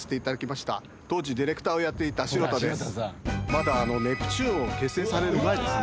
まだネプチューンを結成される前ですね。